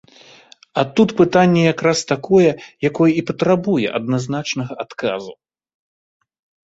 А тут пытанне якраз такое, якое патрабуе адназначнага адказу.